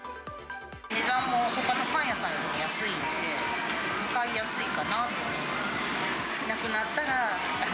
値段もほかのパン屋さんよりも安いので、使いやすいかなと思います。